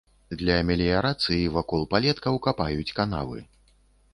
Для меліярацыі вакол палеткаў капаюць канавы.